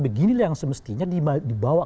beginilah yang semestinya dibawa